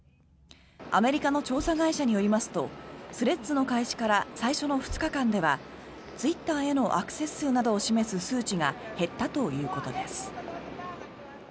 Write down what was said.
アメリカの調査委会社によりますとスレッズの開始から最初の２日間ではツイッターへのアクセス数などを示す数値が減ったということです。